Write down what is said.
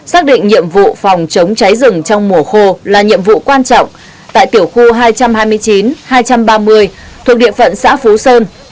xác định nhiệm vụ phòng chống cháy rừng trong mùa khô là nhiệm vụ quan trọng tại tiểu khu hai trăm hai mươi chín hai trăm ba mươi thuộc địa phận xã phú sơn